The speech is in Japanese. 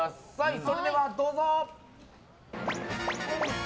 それではどうぞ！